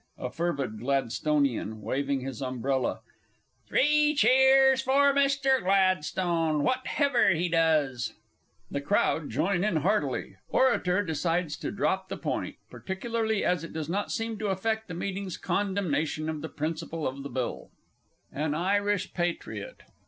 "_ A FERVID GLADSTONIAN (waving his umbrella). Three cheers for Mr. Gladstone, what hever he does! [The CROWD join in heartily; ORATOR _decides to drop the point, particularly as it does not seem to affect the Meeting's condemnation of the principle of the Bill_. AN IRISH PATRIOT.